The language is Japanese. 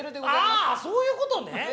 ああそういうことね。